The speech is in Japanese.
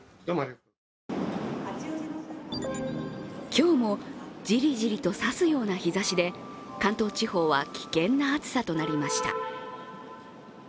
今日もジリジリと刺すような日ざしで関東地方は危険な暑さとなりました。